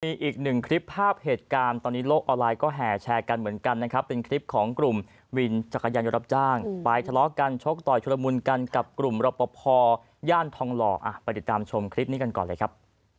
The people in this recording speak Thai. มีอีกหนึ่งคลิปภาพเหตุการณ์ตอนนี้โลกออนไลน์ก็แห่แชร์กันเหมือนกันนะครับเป็นคลิปของกลุ่มวินจักรยานยนต์รับจ้างไปทะเลาะกันชกต่อยชุดละมุนกันกับกลุ่มรปภย่านทองหล่อไปติดตามชมคลิปนี้กันก่อนเลยครับ